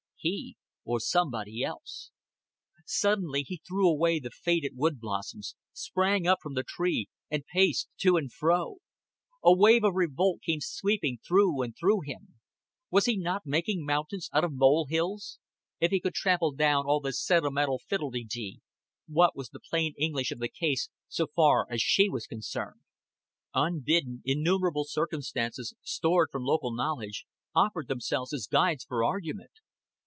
He, or somebody else! Suddenly he threw away the faded wood blossoms, sprang up from the tree, and paced to and fro. A wave of revolt came sweeping through and through him. Was he not making mountains out of mole hills? If he could trample down all this sentimental fiddle de dee, what was the plain English of the case so far as she was concerned? Unbidden, innumerable circumstances stored from local knowledge offered themselves as guides for argument.